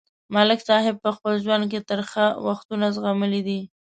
ملک صاحب په خپل ژوند کې ترخه وختونه زغملي دي.